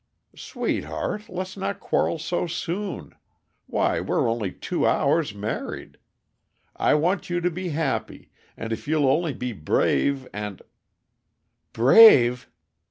"Sweetheart, let's not quarrel so soon why, we're only two hours married! I want you to be happy, and if you'll only be brave and " "Brave!"